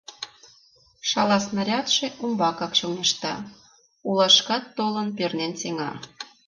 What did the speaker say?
Шала снарядше умбакак чоҥешта, улашкат толын пернен сеҥа.